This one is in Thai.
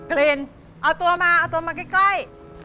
กลิ่นเอาตัวมาเอาตัวมาใกล้